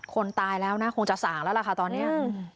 คนตายแล้วนะคงจะส่างแล้วล่ะค่ะตอนนี้